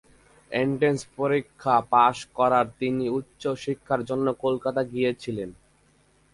Entrance পরীক্ষা পাশ করার তিনি উচ্চ শিক্ষার জন্য কলকাতা গিয়েছিলেন।